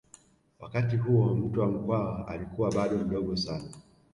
Wakati huo Mtwa Mkwawa alikuwa bado mdogo sana